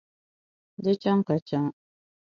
Di chaŋ ka chɛma.